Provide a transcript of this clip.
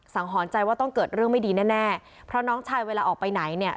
หอนใจว่าต้องเกิดเรื่องไม่ดีแน่แน่เพราะน้องชายเวลาออกไปไหนเนี่ย